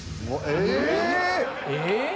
えっ？